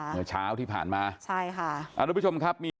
เมื่อเช้าที่ผ่านมาทุกผู้ชมครับ